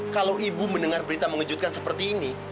kalau ibu mendengar berita mengejutkan seperti ini